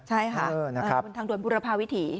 ใช่ค่ะบนทางด่วนบุรพาวิถี